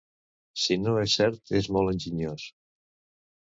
Si no és cert, és molt enginyós